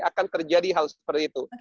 akan terjadi hal seperti itu